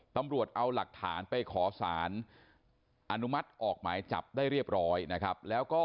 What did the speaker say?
ตำรวจเอาหลักฐานไปขอสารอนุมัติออกหมายจับได้เรียบร้อยนะครับแล้วก็